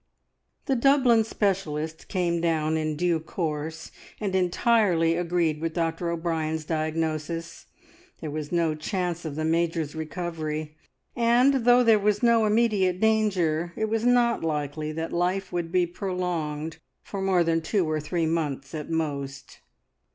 The Dublin specialist came down in due course, and entirely agreed with Dr O'Brien's diagnosis. There was no chance of the Major's recovery, and though there was no immediate danger, it was not likely that life would be prolonged for more than two or three months at most.